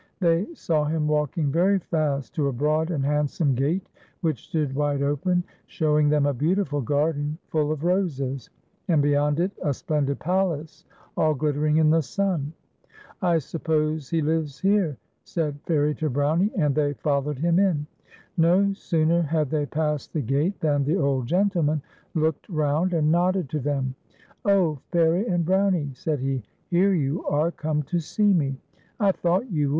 They saw him walking very fast to a broad and handsome gate which stood wide open, showing them a beautiful garden full of roses, and beyond it a splendid palace all glitterin g in the sun. ' I suppose he lives here," said Fairie to B ownic ; and they fol lowed hi m in. No sooner had they passed the gate than the old gentl :man looked roun d and nodded to them. 'Oh! Fairie and Brownie,' said he, " here you are come to see me 1 I thought > ou would.